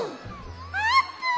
あーぷん！